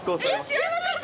知らなかった！